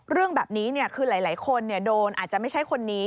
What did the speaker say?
เรื่องแบบนี้คือหลายคนโดนอาจจะไม่ใช่คนนี้